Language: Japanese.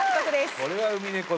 これはウミネコだ